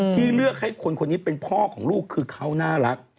ที่เลือกให้คนคนนี้เป็นพ่อของลูกคือเขาน่ารัก